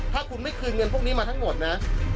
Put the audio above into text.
ถ้าคุณไม่คืนเงินพวกนี้มาทั้งหมดนะ